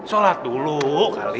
sholat dulu kali